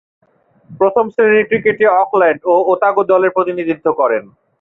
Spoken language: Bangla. প্রথম-শ্রেণীর ক্রিকেটে অকল্যান্ড ও ওতাগো দলের প্রতিনিধিত্ব করেন।